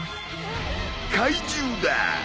怪獣だ！